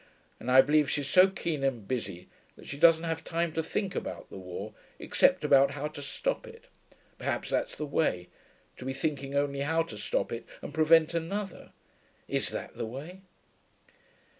And I believe she's so keen and busy that she doesn't have time to think about the war, except about how to stop it.... Perhaps that's the way to be thinking only how to stop it and prevent another.... Is that the way?'